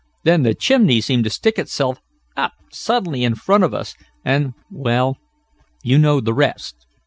Then the chimney seemed to stick itself up suddenly in front of us, and well, you know the rest.